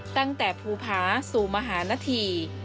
ตั้งแต่ภูพาสู่มหานธี